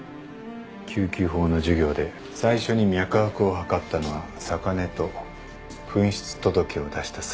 救急法の授業で最初に脈拍を測ったのは坂根と紛失届を出した３人だった。